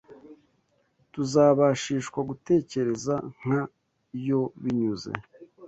tuzabashishwa gutekereza nka yo binyuze